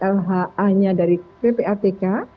lha nya dari ppatk